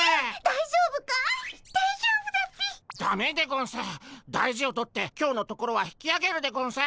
大事を取って今日のところは引きあげるでゴンス。